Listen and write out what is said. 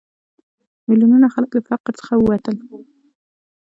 میلیونونه خلک له فقر څخه ووتل.